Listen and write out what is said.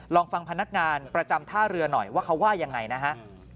ลองฟังพนักงานประจำท่าเรือหน่อยว่าเขาว่ายังไงนะฮะ